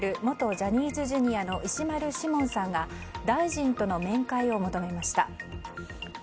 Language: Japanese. ジャニーズＪｒ．の石丸志門さんが大臣との面会を求めました。